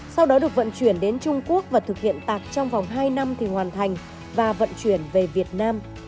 sau đó được vận chuyển đến trung quốc và thực hiện tạc trong vòng hai năm thì hoàn thành và vận chuyển về việt nam